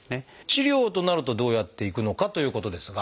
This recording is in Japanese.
治療となるとどうやっていくのかということですが。